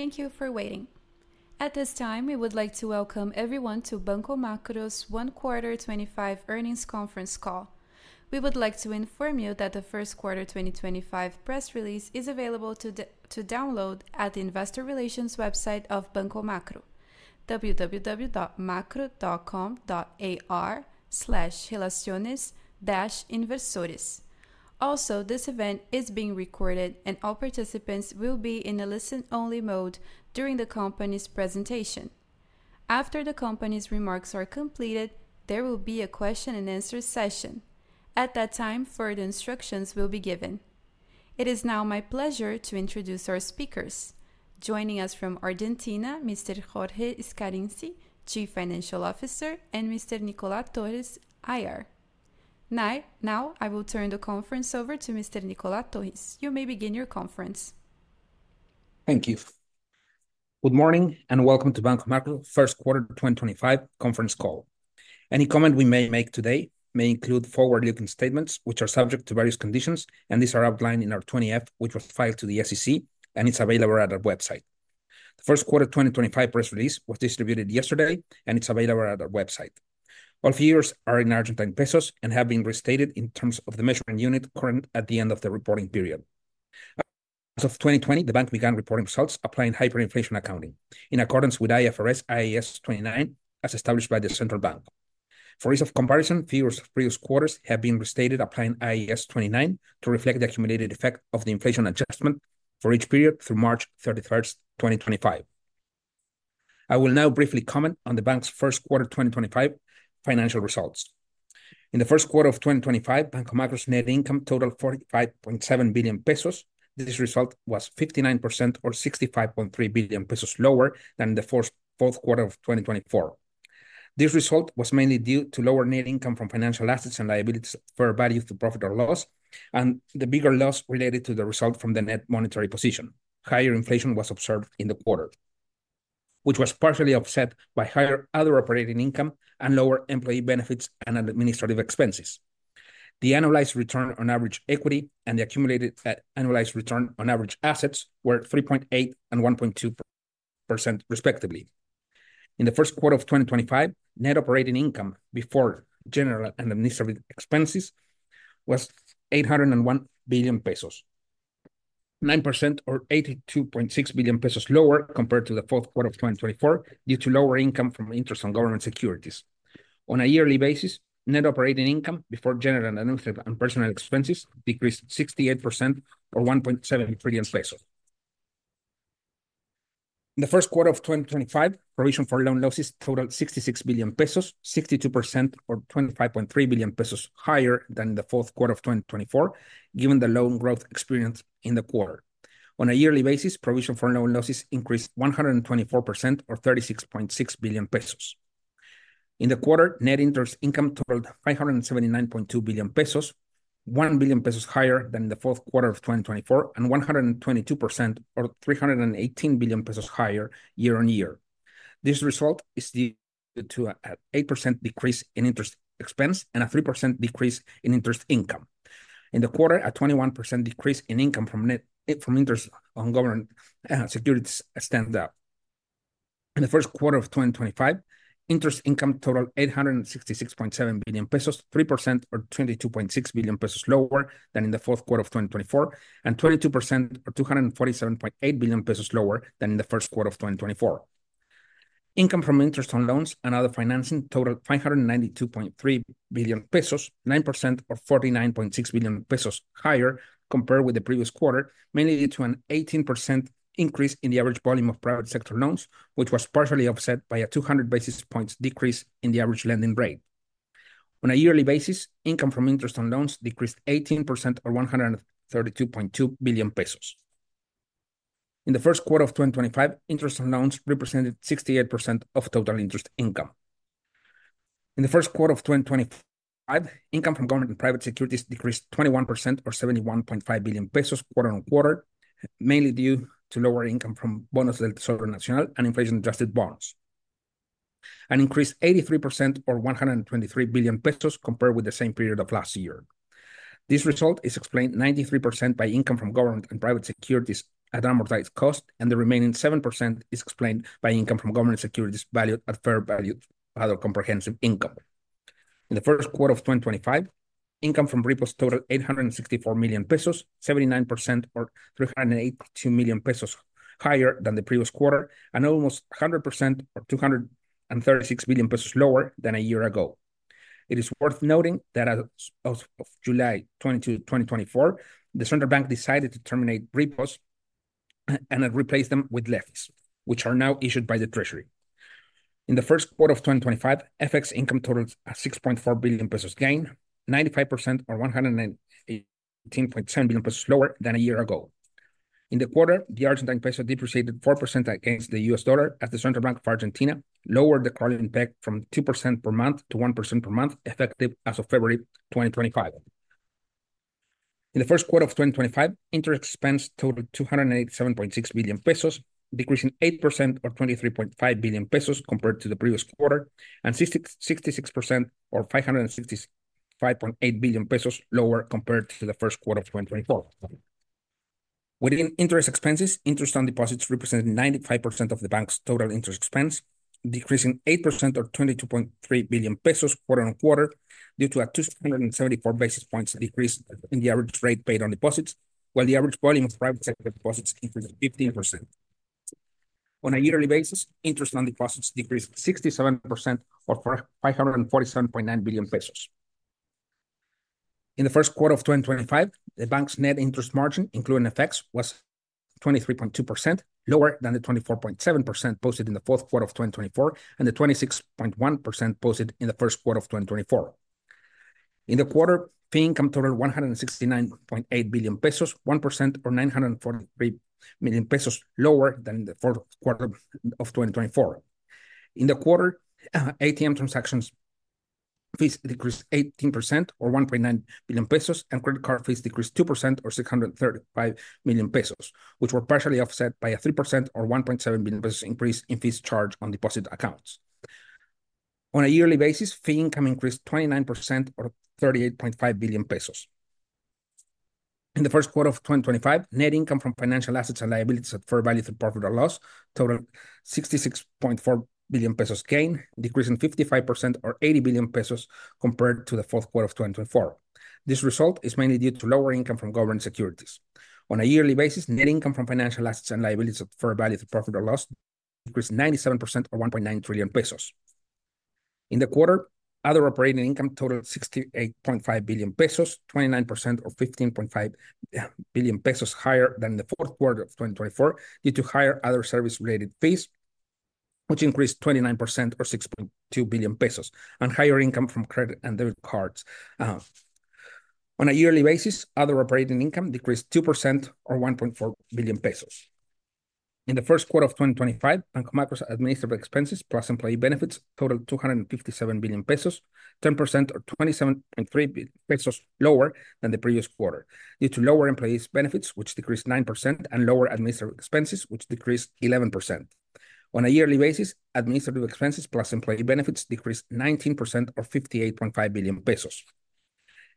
Thank you for waiting. At this time, we would like to welcome everyone to Banco Macro's 1Q 2025 earnings conference call. We would like to inform you that the Q1 2025 press release is available to download at the investor relations website of Banco Macro: www.macro.com.ar/relaciones-investores. Also, this event is being recorded, and all participants will be in a listen-only mode during the company's presentation. After the company's remarks are completed, there will be a question-and-answer session. At that time, further instructions will be given. It is now my pleasure to introduce our speakers. Joining us from Argentina: Mr. Jorge Scarinci, Chief Financial Officer, and Mr. Nicolás Torres, IR. Now, I will turn the conference over to Mr. Nicolás Torres. You may begin your conference. Thank you. Good morning and welcome to Banco Macro's Q1 2025 conference call. Any comment we may make today may include forward-looking statements, which are subject to various conditions, and these are outlined in our 20-F, which was filed to the SEC, and it is available at our website. The Q1 2025 press release was distributed yesterday, and it is available at our website. All figures are in ARS and have been restated in terms of the measuring unit current at the end of the reporting period. As of 2020, the bank began reporting results applying hyperinflation accounting, in accordance with IFRS IAS 29, as established by the central bank. For ease of comparison, figures of previous quarters have been restated, applying IAS 29 to reflect the accumulated effect of the inflation adjustment for each period through March 31st, 2025. I will now briefly comment on the bank's Q1 2025 financial results. In the Q1 of 2025, Banco Macro's net income totaled 45.7 billion pesos. This result was 59%, or 65.3 billion pesos, lower than the fourth quarter of 2024. This result was mainly due to lower net income from financial assets and liabilities fair value to profit or loss, and the bigger loss related to the result from the net monetary position. Higher inflation was observed in the quarter, which was partially offset by higher other operating income and lower employee benefits and administrative expenses. The annualized return on average equity and the accumulated annualized return on average assets were 3.8% and 1.2%, respectively. In the Q1 of 2025, net operating income before general and administrative expenses was 801 billion pesos, 9%, or 82.6 billion pesos, lower compared to the fourth quarter of 2024 due to lower income from interest on government securities. On a yearly basis, net operating income before general and administrative and personal expenses decreased 68%, or 1.7 trillion. In the Q1 of 2025, provision for loan losses totaled 66 billion pesos, 62%, or 25.3 billion pesos higher than the fourth quarter of 2024, given the loan growth experienced in the quarter. On a yearly basis, provision for loan losses increased 124%, or 36.6 billion pesos. In the quarter, net interest income totaled 579.2 billion pesos, 1 billion pesos higher than the fourth quarter of 2024, and 122%, or 318 billion pesos higher year-on-year. This result is due to an 8% decrease in interest expense and a 3% decrease in interest income. In the quarter, a 21% decrease in income from interest on government securities stemmed up. In the Q1 of 2025, interest income totaled 866.7 billion pesos, 3%, or 22.6 billion pesos lower than in the fourth quarter of 2024, and 22%, or 247.8 billion pesos lower than in the first quarter of 2024. Income from interest on loans and other financing totaled 592.3 billion pesos, 9%, or 49.6 billion pesos higher compared with the previous quarter, mainly due to an 18% increase in the average volume of private sector loans, which was partially offset by a 200 basis points decrease in the average lending rate. On a yearly basis, income from interest on loans decreased 18%, or 132.2 billion pesos. In the Q1 of 2025, interest on loans represented 68% of total interest income. In the Q1 of 2025, income from government and private securities decreased 21%, or 71.5 billion pesos quarter-on-quarter, mainly due to lower income from Bonos del Tesoro Nacional and inflation-adjusted bonds. An increase of 83%, or 123 billion pesos, compared with the same period of last year. This result is explained 93% by income from government and private securities at amortized cost, and the remaining 7% is explained by income from government securities valued at fair value of other comprehensive income. In the Q1 of 2025, income from repos totaled 864 million pesos, 79%, or 382 million pesos higher than the previous quarter, and almost 100%, or 236 billion pesos lower than a year ago. It is worth noting that as of July 22th, 2024, the central bank decided to terminate repos and replace them with LEFs, which are now issued by the Treasury. In the Q1 of 2025, FX income totaled a 6.4 billion pesos gain, 95%, or 118.7 billion pesos lower than a year ago. In the quarter, the Argentine peso depreciated 4% against the U.S. dollar, as the central bank of Argentina lowered the carloan impact from 2% per month to 1% per month effective as of February 2025. In the Q1 of 2025, interest expense totaled 287.6 billion pesos, decreasing 8%, or 23.5 billion pesos compared to the previous quarter, and 66%, or 565.8 billion pesos lower compared to the Q1 of 2024. Within interest expenses, interest on deposits represented 95% of the bank's total interest expense, decreasing 8%, or 22.3 billion pesos quarter-on-quarter due to a 274 basis points decrease in the average rate paid on deposits, while the average volume of private sector deposits increased 15%. On a yearly basis, interest on deposits decreased 67%, or 547.9 billion pesos. In the Q1 of 2025, the bank's net interest margin, including FX, was 23.2%, lower than the 24.7% posted in the Q4 of 2024 and the 26.1% posted in the Q1 of 2024. In the quarter, PING income totaled 169.8 billion pesos, 1%, or 943 million pesos lower than the Q4 of 2024. In the quarter, ATM transactions fees decreased 18%, or 1.9 billion pesos, and credit card fees decreased 2%, or 635 million pesos, which were partially offset by a 3%, or 1.7 billion pesos increase in fees charged on deposit accounts. On a yearly basis, PING income increased 29%, or 38.5 billion pesos. In the Q1 of 2025, net income from financial assets and liabilities at fair value to profit or loss totaled 66.4 billion pesos gain, decreasing 55%, or 80 billion pesos compared to the Q4 of 2024. This result is mainly due to lower income from government securities. On a yearly basis, net income from financial assets and liabilities at fair value to profit or loss decreased 97%, or 1.9 trillion pesos. In the quarter, other operating income totaled 68.5 billion pesos, 29%, or 15.5 billion pesos higher than the Q4 of 2024 due to higher other service-related fees, which increased 29%, or 6.2 billion pesos, and higher income from credit and debit cards. On a yearly basis, other operating income decreased 2%, or 1.4 billion pesos. In the Q1 of 2025, Banco Macro's administrative expenses plus employee benefits totaled 257 billion pesos, 10%, or 27.3 billion pesos lower than the previous quarter due to lower employee benefits, which decreased 9%, and lower administrative expenses, which decreased 11%. On a yearly basis, administrative expenses plus employee benefits decreased 19%, or 58.5 billion pesos.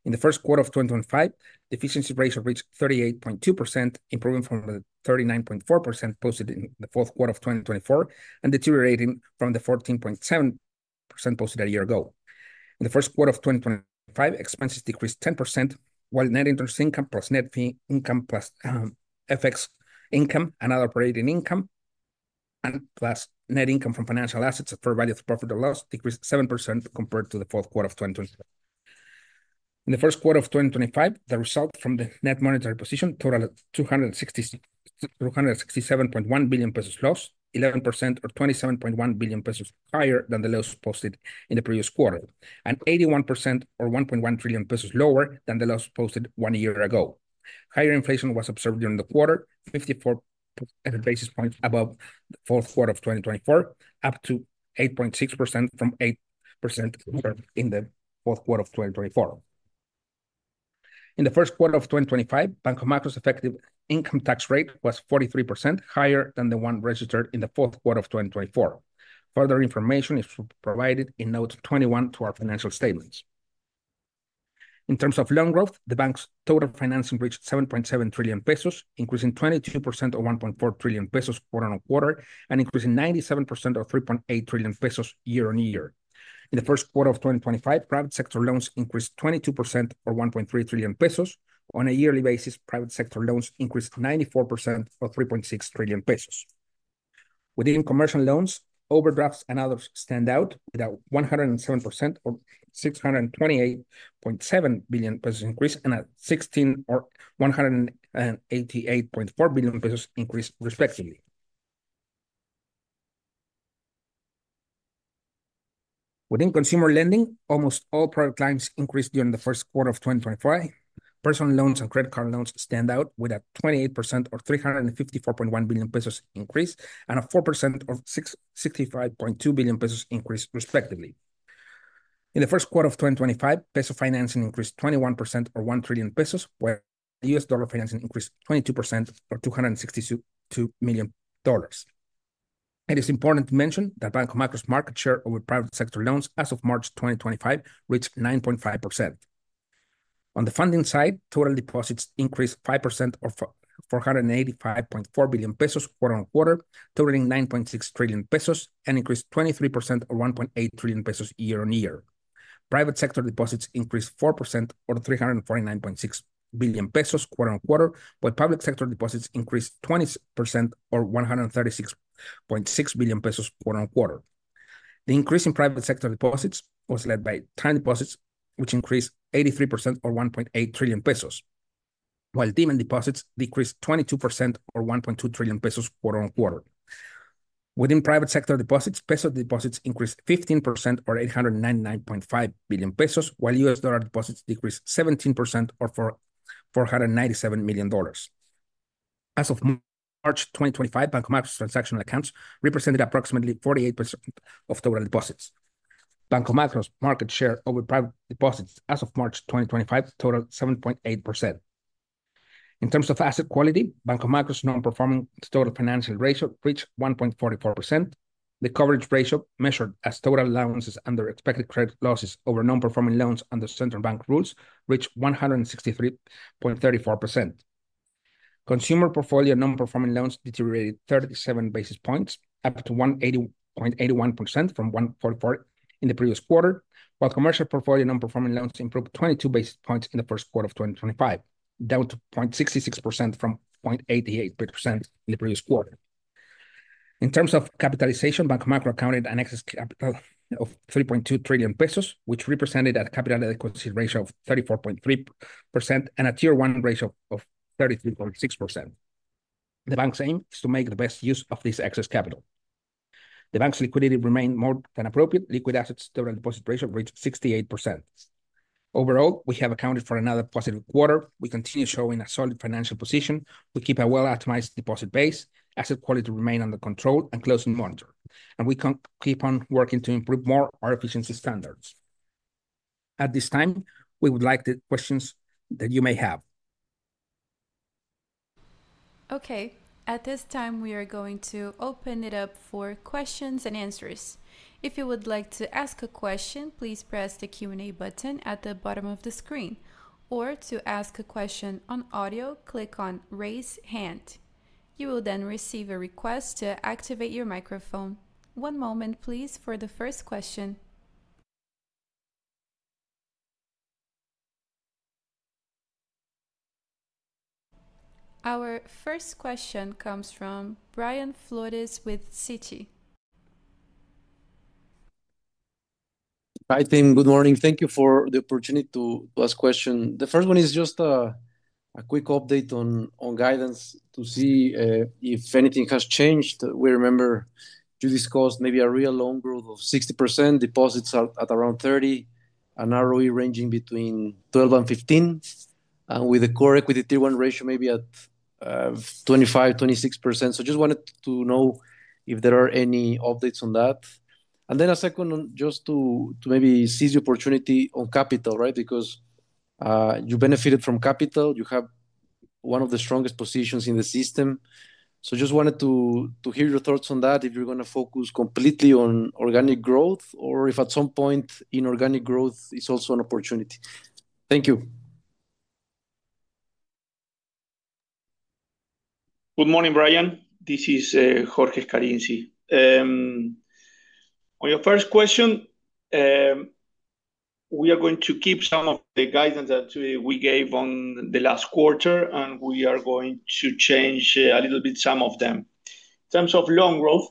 In the Q1 of 2025, efficiency ratio reached 38.2%, improving from the 39.4% posted in the Q4 of 2024 and deteriorating from the 14.7% posted a year ago. In the Q1 of 2025, expenses decreased 10%, while net interest income plus net PING income plus FX income and other operating income plus net income from financial assets at fair value to profit or loss decreased 7% compared to the Q4 of 2024. In the Q1 of 2025, the result from the net monetary position totaled 267.1 billion pesos loss, 11%, or 27.1 billion pesos higher than the loss posted in the previous quarter, and 81%, or 1.1 trillion pesos lower than the loss posted one year ago. Higher inflation was observed during the quarter, 54 basis points above the Q4 of 2024, up to 8.6% from 8% in the Q4 of 2024. In the Q1 of 2025, Banco Macro's effective income tax rate was 43%, higher than the one registered in the Q4 of 2024. Further information is provided in Note 21 to our financial statements. In terms of loan growth, the bank's total financing reached 7.7 trillion pesos, increasing 22%, or 1.4 trillion pesos quarter-on-quarter, and increasing 97%, or 3.8 trillion pesos year-on-year. In the Q1 of 2025, private sector loans increased 22%, or 1.3 trillion pesos. On a yearly basis, private sector loans increased 94%, or 3.6 trillion pesos. Within commercial loans, overdrafts and others stand out with a 107%, or 628.7 billion pesos increase, and a 16%, or 188.4 billion pesos increase, respectively. Within consumer lending, almost all prior clients increased during the Q1 of 2025. Personal loans and credit card loans stand out with a 28%, or 354.1 billion pesos increase, and a 4%, or 65.2 billion pesos increase, respectively. In the Q1 of 2025, peso financing increased 21%, or 1 trillion pesos, while US dollar financing increased 22%, or $262 million. It is important to mention that Banco Macro's market share over private sector loans as of March 2025 reached 9.5%. On the funding side, total deposits increased 5%, or 485.4 billion pesos quarter-on-quarter, totaling 9.6 trillion pesos, and increased 23%, or 1.8 trillion pesos year-on-year. Private sector deposits increased 4%, or 349.6 billion pesos quarter-on-quarter, while public sector deposits increased 20%, or 136.6 billion pesos quarter-on-quarter. The increase in private sector deposits was led by time deposits, which increased 83%, or 1.8 trillion pesos, while demand deposits decreased 22%, or 1.2 trillion pesos quarter-on-quarter. Within private sector deposits, peso deposits increased 15%, or 899.5 billion pesos, while U.S. dollar deposits decreased 17%, or $497 million. As of March 2025, Banco Macro's transaction accounts represented approximately 48% of total deposits. Banco Macro's market share over private deposits as of March 2025 totaled 7.8%. In terms of asset quality, Banco Macro's non-performing total financial ratio reached 1.44%. The coverage ratio measured as total allowances under expected credit losses over non-performing loans under central bank rules reached 163.34%. Consumer portfolio non-performing loans deteriorated 37 basis points, up to 181 basis points from 144 in the previous quarter, while commercial portfolio non-performing loans improved 22 basis points in the Q1 of 2025, down to 0.66% from 0.88% in the previous quarter. In terms of capitalization, Banco Macro accounted an excess capital of 3.2 trillion pesos, which represented a capital adequacy ratio of 34.3% and a Tier 1 ratio of 33.6%. The bank's aim is to make the best use of this excess capital. The bank's liquidity remained more than appropriate. Liquid assets total deposit ratio reached 68%. Overall, we have accounted for another positive quarter. We continue showing a solid financial position. We keep a well-optimized deposit base. Asset quality remained under control and closely monitored, and we keep on working to improve more our efficiency standards. At this time, we would like the questions that you may have. Okay, at this time, we are going to open it up for questions and answers. If you would like to ask a question, please press the Q&A button at the bottom of the screen. To ask a question on audio, click on "Raise Hand." You will then receive a request to activate your microphone. One moment, please, for the first question. Our first question comes from Brian Flores with Citi. Hi, team. Good morning. Thank you for the opportunity to ask questions. The first one is just a quick update on guidance to see if anything has changed. We remember you discussed maybe a real loan growth of 60%, deposits at around 30%, an ROE ranging between 12% and 15%, and with a core equity Tier 1 ratio maybe at 25%, 26%. Just wanted to know if there are any updates on that. A second one just to maybe seize the opportunity on capital, right? Because you benefited from capital. You have one of the strongest positions in the system. Just wanted to hear your thoughts on that, if you're going to focus completely on organic growth or if at some point inorganic growth is also an opportunity. Thank you. Good morning, Brian. This is Jorge Scarinci. On your first question, we are going to keep some of the guidance that we gave on the last quarter, and we are going to change a little bit some of them. In terms of loan growth,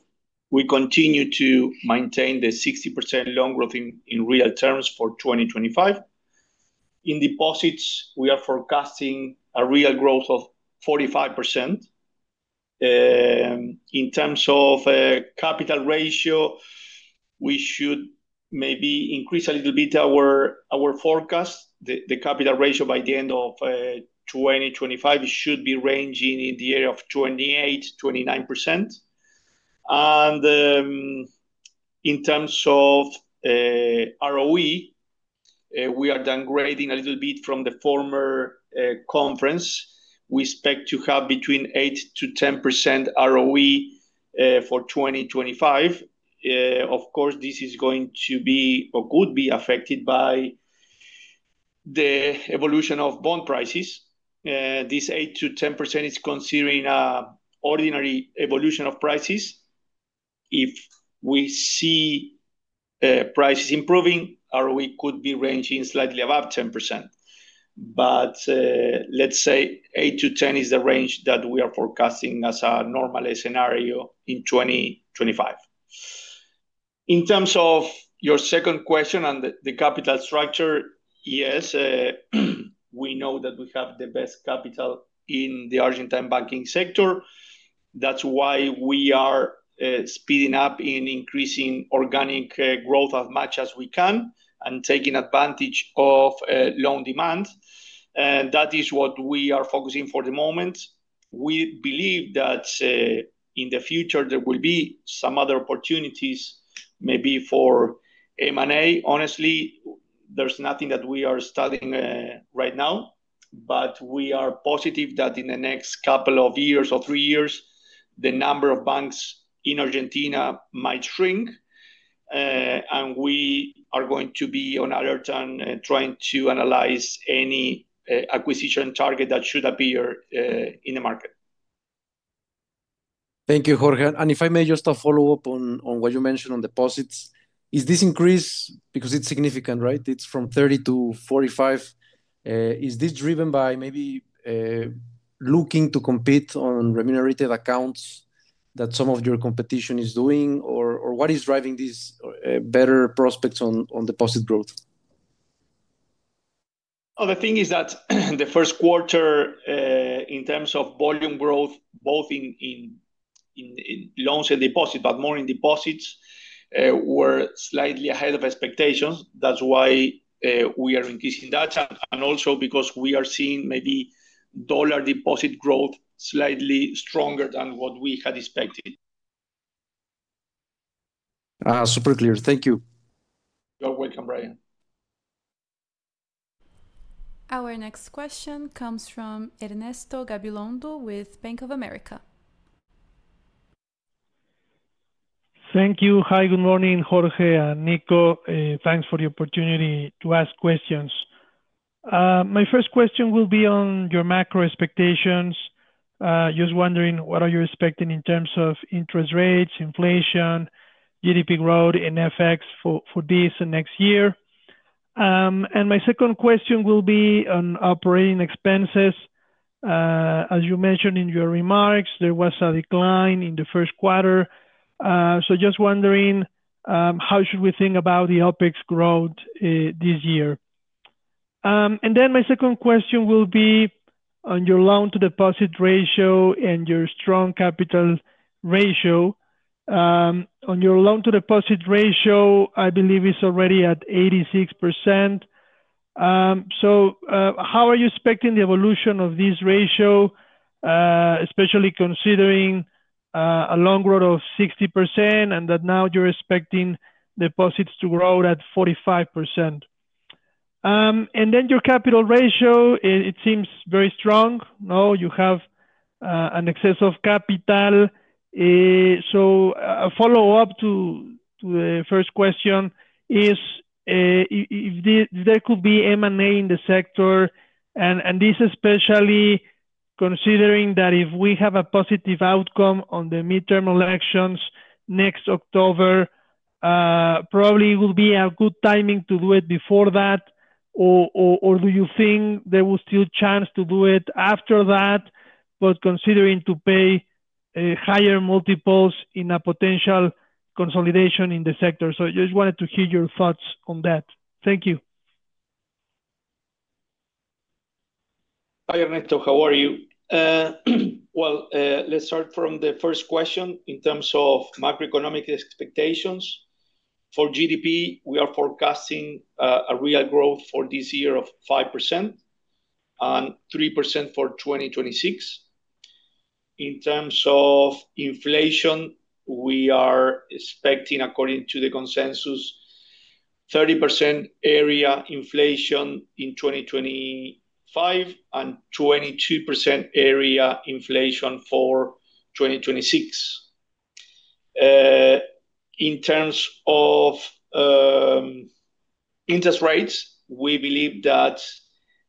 we continue to maintain the 60% loan growth in real terms for 2025. In deposits, we are forecasting a real growth of 45%. In terms of capital ratio, we should maybe increase a little bit our forecast. The capital ratio by the end of 2025 should be ranging in the area of 28%-29%. In terms of ROE, we are downgrading a little bit from the former conference. We expect to have between 8%-10% ROE for 2025. Of course, this is going to be or could be affected by the evolution of bond prices. This 8%-10% is considering an ordinary evolution of prices. If we see prices improving, ROE could be ranging slightly above 10%. Let's say 8%-10% is the range that we are forecasting as a normal scenario in 2025. In terms of your second question and the capital structure, yes, we know that we have the best capital in the Argentine banking sector. That is why we are speeding up in increasing organic growth as much as we can and taking advantage of loan demand. That is what we are focusing on for the moment. We believe that in the future, there will be some other opportunities, maybe for M&A. Honestly, there's nothing that we are studying right now, but we are positive that in the next couple of years or three years, the number of banks in Argentina might shrink. We are going to be on alert and trying to analyze any acquisition target that should appear in the market. Thank you, Jorge. If I may just follow up on what you mentioned on deposits, is this increase because it's significant, right? It's from 30% to 45%. Is this driven by maybe looking to compete on remunerated accounts that some of your competition is doing, or what is driving these better prospects on deposit growth? The thing is that the first quarter, in terms of volume growth, both in loans and deposits, but more in deposits, were slightly ahead of expectations. That's why we are increasing that. And also because we are seeing maybe dollar deposit growth slightly stronger than what we had expected. Super clear. Thank you. You're welcome, Brian. Our next question comes from Ernesto Gabilondo with Bank of America. Thank you. Hi, good morning, Jorge and Nico. Thanks for the opportunity to ask questions. My first question will be on your macro expectations. Just wondering, what are you expecting in terms of interest rates, inflation, GDP growth, and effects for this and next year? My second question will be on operating expenses. As you mentioned in your remarks, there was a decline in the first quarter. Just wondering, how should we think about the OpEx growth this year? My second question will be on your loan-to-deposit ratio and your strong capital ratio. On your loan-to-deposit ratio, I believe it's already at 86%. How are you expecting the evolution of this ratio, especially considering a loan growth of 60% and that now you're expecting deposits to grow at 45%? Your capital ratio, it seems very strong. You have an excess of capital. A follow-up to the first question is if there could be M&A in the sector. This is especially considering that if we have a positive outcome on the midterm elections next October, probably it will be a good timing to do it before that. Do you think there will still be a chance to do it after that, but considering to pay higher multiples in a potential consolidation in the sector? I just wanted to hear your thoughts on that. Thank you. Hi, Ernesto. How are you? Let's start from the first question. In terms of macroeconomic expectations for GDP, we are forecasting a real growth for this year of 5% and 3% for 2026. In terms of inflation, we are expecting, according to the consensus, 30% area inflation in 2025 and 22% area inflation for 2026. In terms of interest rates, we believe that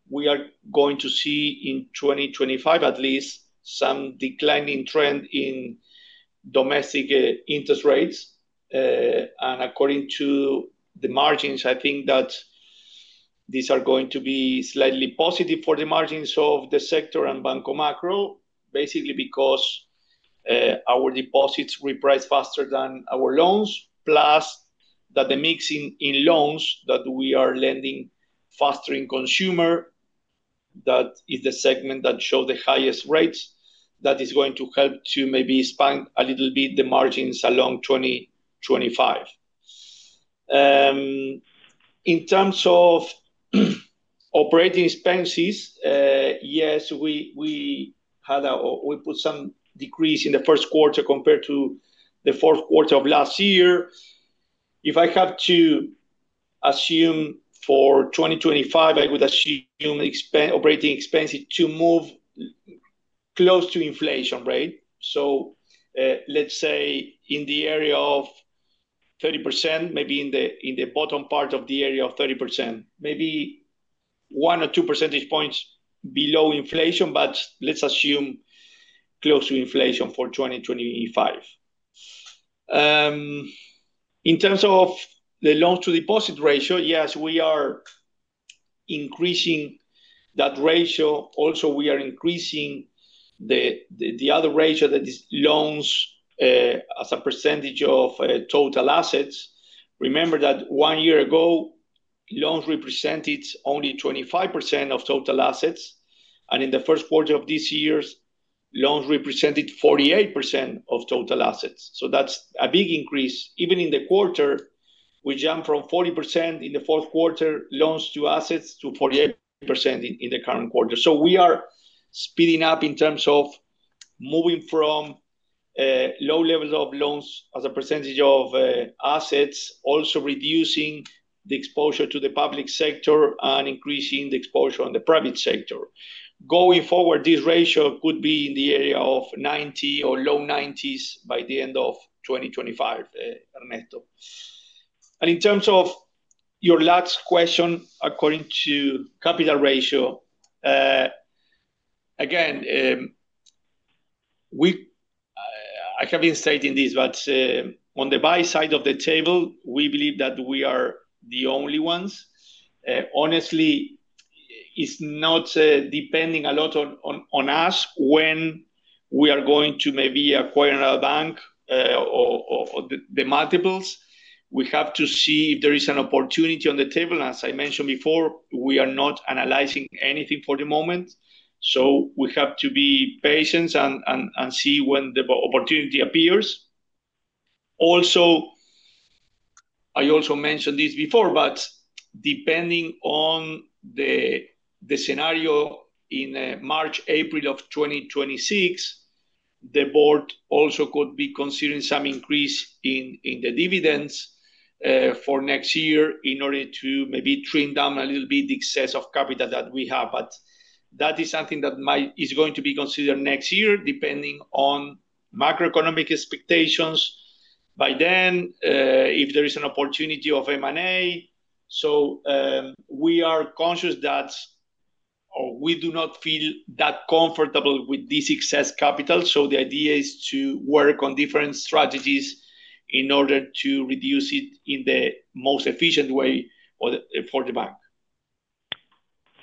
we are going to see in 2025 at least some declining trend in domestic interest rates. According to the margins, I think that these are going to be slightly positive for the margins of the sector and Banco Macro, basically because our deposits reprice faster than our loans, plus that the mix in loans that we are lending faster in consumer, that is the segment that shows the highest rates, that is going to help to maybe spank a little bit the margins along 2025. In terms of operating expenses, yes, we put some decrease in the first quarter compared to the fourth quarter of last year. If I have to assume for 2025, I would assume operating expenses to move close to inflation, right? Let's say in the area of 30%, maybe in the bottom part of the area of 30%, maybe one or two percentage points below inflation, but let's assume close to inflation for 2025. In terms of the loans-to-deposit ratio, yes, we are increasing that ratio. Also, we are increasing the other ratio that is loans as a percentage of total assets. Remember that one year ago, loans represented only 25% of total assets. In the first quarter of this year, loans represented 48% of total assets. That is a big increase. Even in the quarter, we jumped from 40% in the fourth quarter loans to assets to 48% in the current quarter. We are speeding up in terms of moving from low levels of loans as a percentage of assets, also reducing the exposure to the public sector and increasing the exposure on the private sector. Going forward, this ratio could be in the area of 90% or low 90s by the end of 2025, Ernesto. In terms of your last question, according to capital ratio, again, I have been stating this, but on the buy side of the table, we believe that we are the only ones. Honestly, it is not depending a lot on us when we are going to maybe acquire a bank or the multiples. We have to see if there is an opportunity on the table. As I mentioned before, we are not analyzing anything for the moment. We have to be patient and see when the opportunity appears. Also, I also mentioned this before, but depending on the scenario in March, April of 2026, the Board also could be considering some increase in the dividends for next year in order to maybe trim down a little bit the excess of capital that we have. That is something that is going to be considered next year, depending on macroeconomic expectations by then, if there is an opportunity of M&A. We are conscious that we do not feel that comfortable with this excess capital. The idea is to work on different strategies in order to reduce it in the most efficient way for the bank.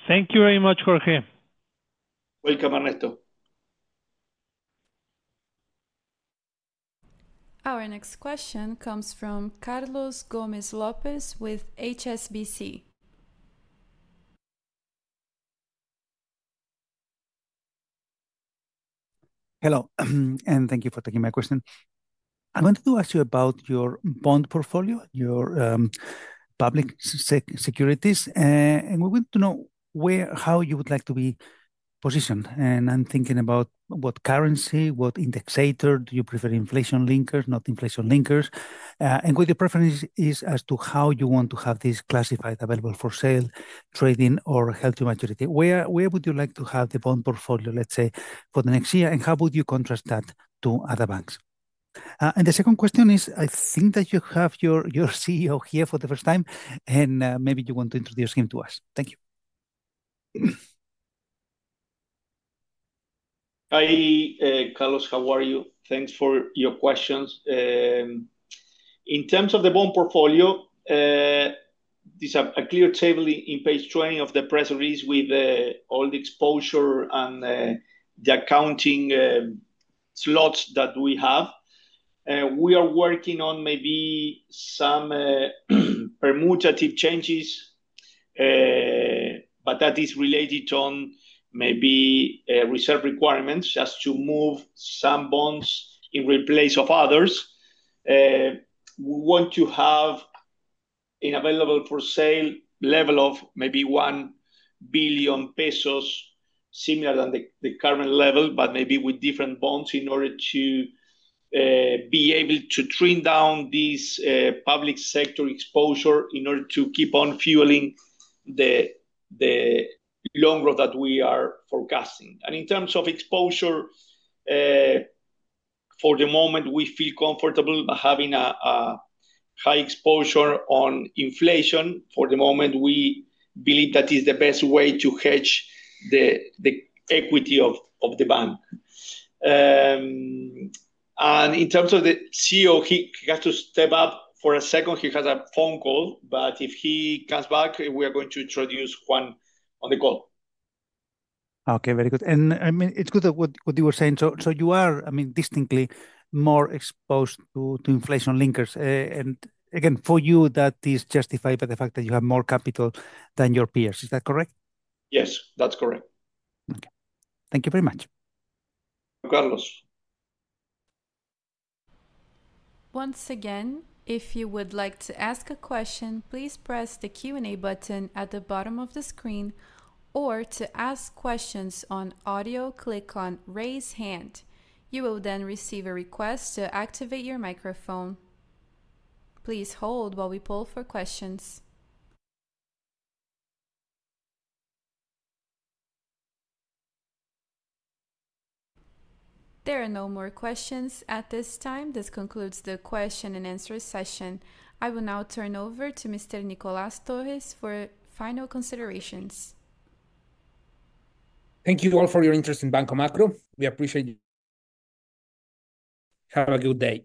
Thank you very much, Jorge. Welcome, Ernesto. Our next question comes from Carlos Gomez López with HSBC. Hello, and thank you for taking my question. I wanted to ask you about your bond portfolio, your public securities, and we want to know how you would like to be positioned. I am thinking about what currency, what indexator do you prefer, inflation linkers, not inflation linkers. What your preference is as to how you want to have this classified, available for sale, trading, or held to maturity. Where would you like to have the bond portfolio, let's say, for the next year, and how would you contrast that to other banks? The second question is, I think that you have your CEO here for the first time, and maybe you want to introduce him to us. Thank you. Hi, Carlos, how are you? Thanks for your questions. In terms of the bond portfolio, this is a clear table in page 20 of the press release with all the exposure and the accounting slots that we have. We are working on maybe some permutative changes, but that is related to maybe reserve requirements as to move some bonds in replace of others. We want to have an available for sale level of 1 billion pesos, similar than the current level, but maybe with different bonds in order to be able to trim down this public sector exposure in order to keep on fueling the long growth that we are forecasting. In terms of exposure, for the moment, we feel comfortable having a high exposure on inflation. For the moment, we believe that is the best way to hedge the equity of the bank. In terms of the CEO, he has to step up for a second. He has a phone call, but if he comes back, we are going to introduce Juan on the call. Okay, very good. I mean, it's good that what you were saying. You are, I mean, distinctly more exposed to inflation linkers. Again, for you, that is justified by the fact that you have more capital than your peers. Is that correct? Yes, that's correct. Okay. Thank you very much. Carlos. Once again, if you would like to ask a question, please press the Q&A button at the bottom of the screen, or to ask questions on audio, click on "Raise Hand." You will then receive a request to activate your microphone. Please hold while we pull for questions. There are no more questions at this time. This concludes the question and answer session. I will now turn over to Mr. Nicolás Torres for final considerations. Thank you all for your interest in Banco Macro. We appreciate it. Have a good day.